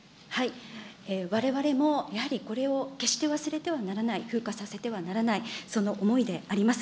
われわれもやはりこれを決して忘れてはならない、風化させてはならない、その思いであります。